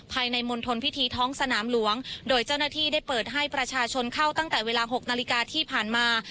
มณฑลพิธีท้องสนามหลวงโดยเจ้าหน้าที่ได้เปิดให้ประชาชนเข้าตั้งแต่เวลา๖นาฬิกาที่ผ่านมา